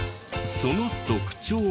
その特徴が。